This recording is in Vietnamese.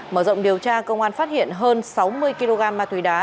mở rộng điều tra công an phát hiện hơn sáu mươi kg ma túy đá